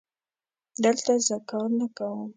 دلته زه کار نه کوم